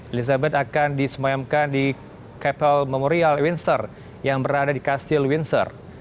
elizabeth akan disemayamkan di kapal memorial windsor yang berada di kastil windsor